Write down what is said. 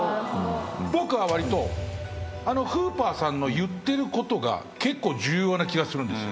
僕はわりとフーパーさんの言ってることが結構重要な気がするんですよ。